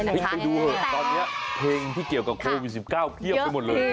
พลิกไปดูเถอะตอนนี้เพลงที่เกี่ยวกับโควิด๑๙เพียบไปหมดเลย